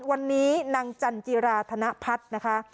วันนี้นางจันจิราธนพัฒน์นะคะ